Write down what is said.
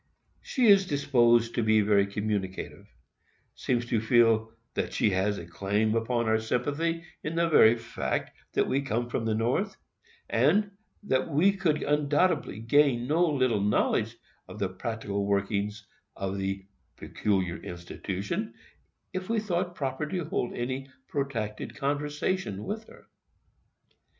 She is disposed to be very communicative;—seems to feel that she has a claim upon our sympathy, in the very fact that we come from the North; and we could undoubtedly gain no little knowledge of the practical workings of the "peculiar institution," if we thought proper to hold any protracted conversation with her.